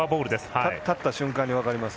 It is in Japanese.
立った瞬間で分かります。